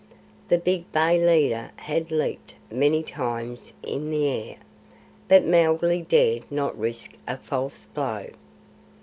The big bay leader had leaped many times in the air, but Mowgli dared not risk a false blow.